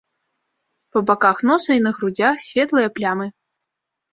Па баках носа і на грудзях светлыя плямы.